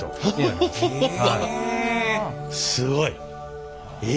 すごい！え！